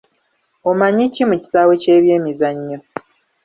Omanyi ki mu kisaawe ky’ebyemizanyo.